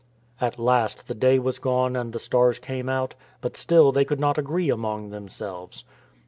At last the day was gone and the stars came out, but still they could not agree among themselves.